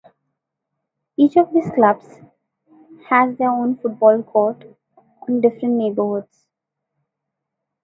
Each of these clubs has their own football court on different neighbourhoods.